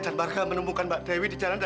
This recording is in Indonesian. sampai jumpa di video selanjutnya